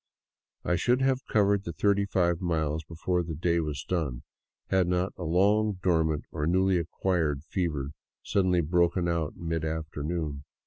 I should have covered the thirty five miles before the day was done, had not a long dormant or newly acquired fever suddenly broken out in mid afternoon.